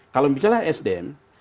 kalau bicara sdm